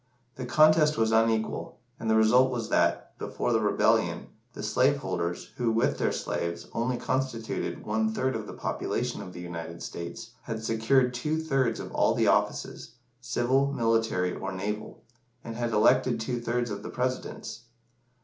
The contest was unequal, and the result was that, before the Rebellion, the slave holders who, with their slaves, only constituted one third of the population of the United States had secured two thirds of all the offices civil, military, or naval and had elected two thirds of the Presidents.